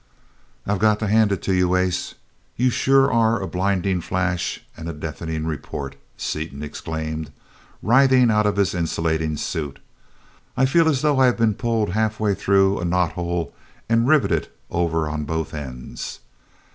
"I've got to hand it to you, ace you sure are a blinding flash and a deafening report!" Seaton exclaimed, writhing out of his insulating suit. "I feel as though I'd been pulled half way through a knot hole and riveted over on both ends!